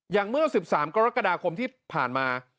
เมื่อ๑๓กรกฎาคมที่ผ่านมา